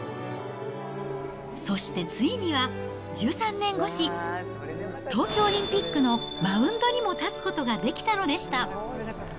そしてついには、１３年越し、東京オリンピックのマウンドにも立つことができたのでした。